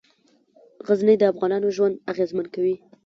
غزني د افغانانو ژوند اغېزمن کوي.